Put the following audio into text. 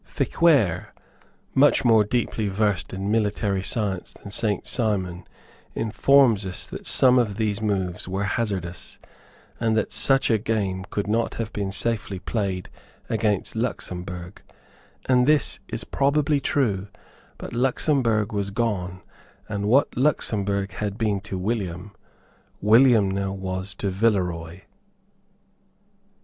Feuquieres, much more deeply versed in military science than Saint Simon, informs us that some of these moves were hazardous, and that such a game could not have been safely played against Luxemburg; and this is probably true, but Luxemburg was gone; and what Luxemburg had been to William, William now was to Villeroy.